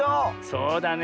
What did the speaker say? そうだね。